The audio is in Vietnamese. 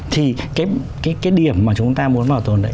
thì cái điểm mà chúng ta muốn bảo tồn đấy